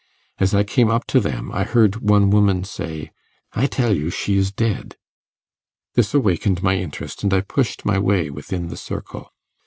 As I came up to them, I heard one woman say, "I tell you, she is dead." This awakened my interest, and I pushed my way within the circle.